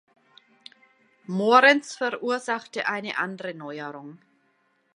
Morenz verursachte eine andere Neuerung.